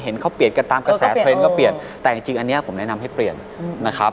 เขาเปลี่ยนกันตามกระแสเทรนด์ก็เปลี่ยนแต่จริงอันนี้ผมแนะนำให้เปลี่ยนนะครับ